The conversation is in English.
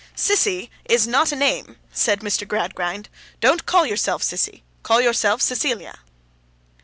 'Sissy is not a name,' said Mr. Gradgrind. 'Don't call yourself Sissy. Call yourself Cecilia.